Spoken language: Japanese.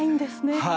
はい。